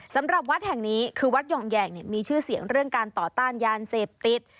สำหรับวัดแห่งนี้คือวัดห่องแหงมีชื่อเสียงเรื่องการต่อต้านยาเสพติด